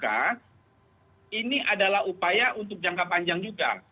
karena ini adalah upaya untuk jangka panjang juga